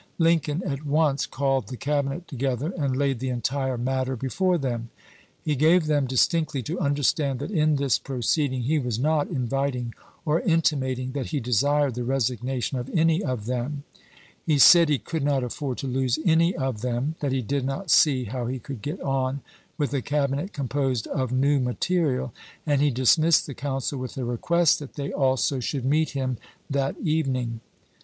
Lincoln at once called the Cabinet together and laid the entire matter before them. He gave them distinctly to under stand that in this proceeding he was not inviting or intimating that he desired the resignation of any of them ; he said he could not afford to lose any of them; that he did not see how he could get on with a Cabinet composed of new material, and he dismissed the council with a request that they also should meet him that evening.